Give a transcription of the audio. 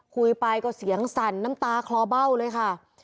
คุยไปก็เสียงสั่นน้ำตาคลอเบ้าเลยค่ะ